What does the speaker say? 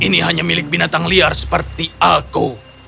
ini hanya milik binatang liar seperti aku